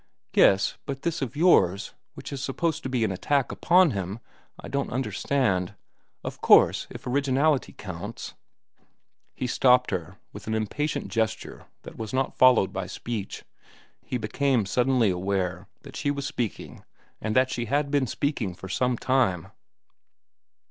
"Yes, but this of yours, which is supposed to be an attack upon him, I don't understand. Of course, if originality counts—" He stopped her with an impatient gesture that was not followed by speech. He became suddenly aware that she was speaking and that she had been speaking for some time.